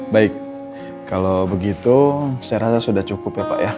baik kalau begitu saya rasa sudah cukup ya pak ya